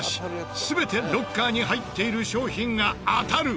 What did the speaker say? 全てロッカーに入っている商品が当たる。